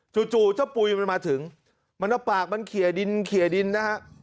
จู่เจ้าปุ๋ยมันมาถึงมันว่าปากมันเขียดินนะครับ